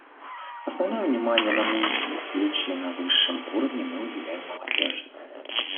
Основное внимание на нынешней встрече на высшем уровне мы уделяем молодежи.